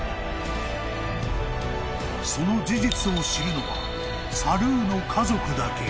［その事実を知るのはサルーの家族だけ］